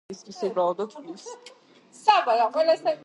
იყო ალიანსის გენერალური მდივანი.